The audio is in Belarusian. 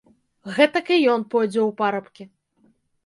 Гэтак і ён пойдзе ў парабкі.